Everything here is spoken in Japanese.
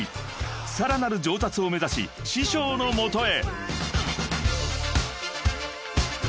［さらなる上達を目指し師匠の元へ］